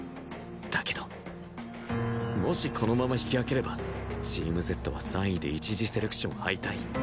だけどもしこのまま引き分ければチーム Ｚ は３位で一次セレクション敗退